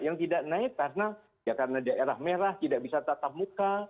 yang tidak naik karena ya karena daerah merah tidak bisa tatap muka